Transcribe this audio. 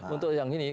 untuk yang ini